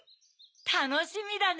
たのしみだね。